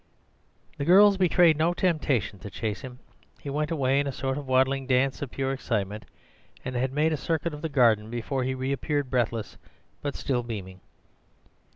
The girls betraying no temptation to chase him, he went away in a sort of waddling dance of pure excitement; and had made a circuit of the garden before he reappeared, breathless but still beaming.